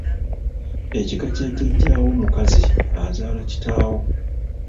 Ekika kya Jjaajjaawo omukazi azaala kitaawo.